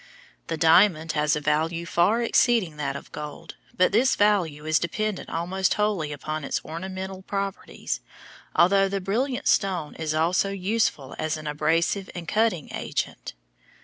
The diamond has a value far exceeding that of gold, but this value is dependent almost wholly upon its ornamental properties, although the brilliant stone is also useful as an abrasive and cutting agent.